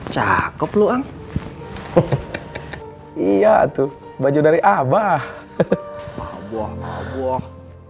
cakep luang iya tuh baju dari abah